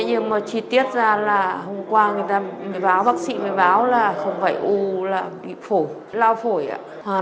nhưng mà chi tiết ra là hôm qua người ta mới báo bác sĩ mới báo là không phải u là bị phổi lao phổi ạ